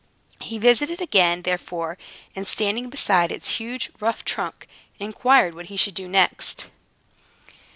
He visited it again, therefore, and standing beside its huge, rough trunk, inquired what he should do next.